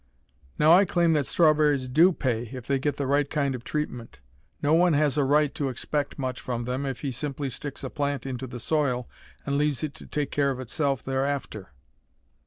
Now I claim that strawberries do pay if they get the right kind of treatment. No one has a right to expect much from them if he simply sticks a plant into the soil and leaves it to take care of itself thereafter.